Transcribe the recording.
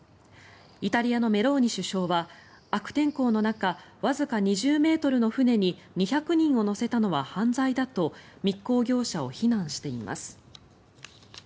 イタリアのメローニ首相は悪天候の中、わずか２０ｍの船に２００人を乗せたのは犯罪だと密航業者を非難しています。